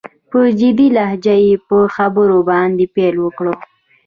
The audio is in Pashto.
په جدي لهجه يې په خبرو باندې پيل وکړ.